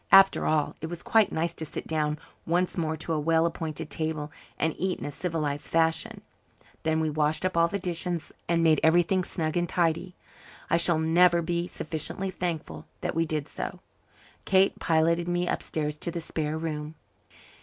After all, it was quite nice to sit down once more to a well appointed table and eat in civilized fashion. Then we washed up all the dishes and made everything snug and tidy. I shall never be sufficiently thankful that we did so. Kate piloted me upstairs to the spare room.